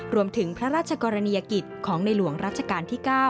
รวมถึงพระราชกรณียกิจของในหลวงรัชกาลที่๙